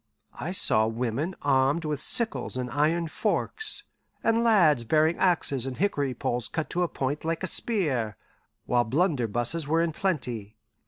I saw women armed with sickles and iron forks, and lads bearing axes and hickory poles cut to a point like a spear, while blunderbusses were in plenty.